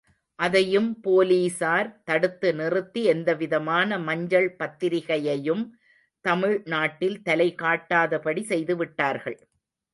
அதையும் போலீஸார் தடுத்து நிறுத்தி எந்தவிதமான மஞ்சள் பத்திரிகையையும் தமிழ் நாட்டில் தலைகாட்டாதபடி செய்துவிட்டார்கள்.